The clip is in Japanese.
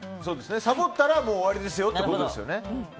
サボったら終わりですよってことですよね。